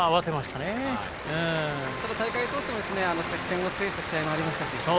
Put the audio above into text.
ただ、大会通して接戦を制した試合もありましたし。